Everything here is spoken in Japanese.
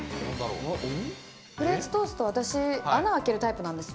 フレンチトースト、私、穴開けるタイプなんですよ。